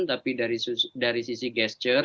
tapi dari sisi gesture